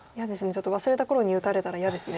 ちょっと忘れた頃に打たれたら嫌ですね。